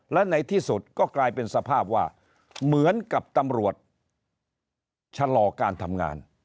และในที่สุดก็กลายเป็นสภาพว่าเหมือนกับตำรวจชะลอการทำงาน